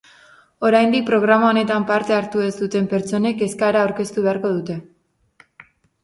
Oraindik programa honetan parte hartu ez duten pertsonek eskaera aurkeztu beharko dute.